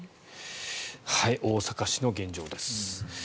大阪市の現状です。